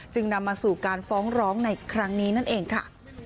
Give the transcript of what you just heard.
นำมาสู่การฟ้องร้องในครั้งนี้นั่นเองค่ะ